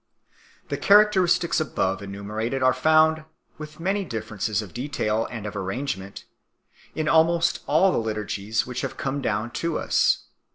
The characteristics above enumerated are found, with many differences of detail and of arrangement, in almost all the liturgies which have come down to us.